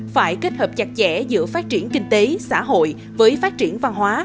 phải kết hợp chặt chẽ giữa phát triển kinh tế xã hội với phát triển văn hóa